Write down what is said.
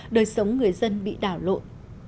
đời sống người dân bị đảo lộn